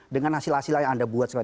dengan hasil hasil yang anda buat